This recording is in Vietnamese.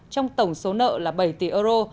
trong tổng số nợ là bảy tỷ euro